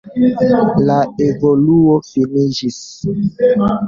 La evoluo finiĝis.